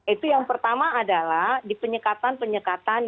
itu yang pertama adalah di penyekatan penyekatan